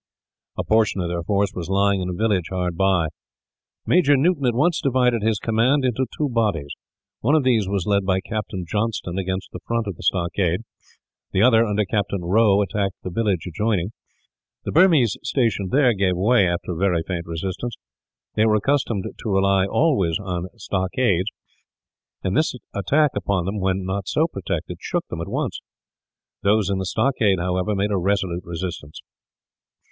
A portion of their force was lying in a village hard by. Major Newton at once divided his command into two bodies. One of these was led by Captain Johnston against the front of the stockade. The other, under Captain Rowe, attacked the village adjoining. The Burmese stationed there gave way, after a very faint resistance. They were accustomed to rely always on stockades; and this attack upon them, when not so protected, shook them at once. Those in the stockade, however, made a resolute resistance.